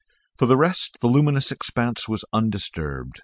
For the rest the luminous expanse was undisturbed.